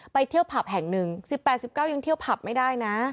ไปเที่ยวผับแห่งหนึ่ง๑๘๑๙ยังเที่ยวผับไม่ได้นะ